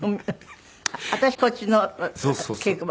私こっちの稽古場